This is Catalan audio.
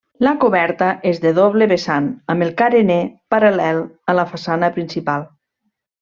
La coberta és de doble vessant amb el carener paral·lel a la façana principal.